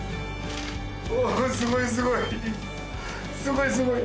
すごいすごい！